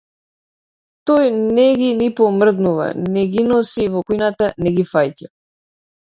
Тој не ги ни помрднува, не ги носи во кујната, не ги фаќа.